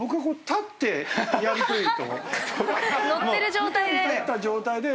乗ってる状態で。